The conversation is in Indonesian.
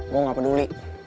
lo gak peduli